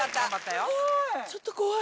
ちょっと怖い。